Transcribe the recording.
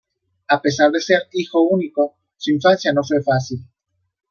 A pesar de ser hijo único su infancia no fue fácil.